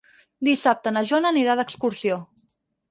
Dissabte na Joana anirà d'excursió.